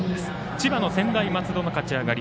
千葉の専大松戸の勝ち上がり。